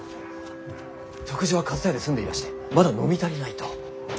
食事は上総屋で済んでいらしてまだ飲み足りないと。